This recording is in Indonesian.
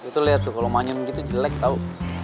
itu liat tuh kalo manyun gitu jelek tau